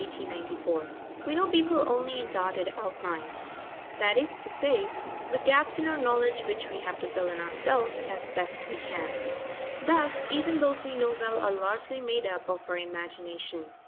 _ We know people only in dotted outline, that is to say, with gaps in our knowledge which we have to fill in ourselves, as best we can. Thus, even those we know well are largely made up of our imagination.